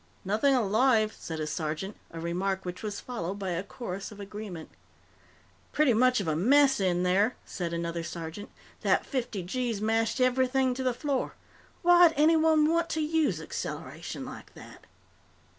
"Nothing alive," said a sergeant, a remark which was followed by a chorus of agreement. "Pretty much of a mess in there," said another sergeant. "That fifty gees mashed everything to the floor. Why'd anyone want to use acceleration like that?"